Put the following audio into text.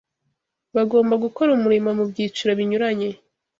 bagomba gukora umurimo mu byiciro binyuranye